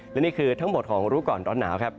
และนี่คือทั้งหมดของรู้ก่อนร้อนหนาวครับ